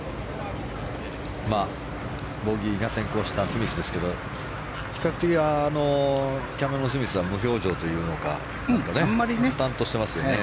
ボギーが先行したスミスですけど比較的キャメロン・スミスは無表情というのか淡々としていますよね。